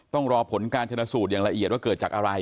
ต้องรอผลการชนะสูตรอย่างละเอียดว่าเกิดจากอะไร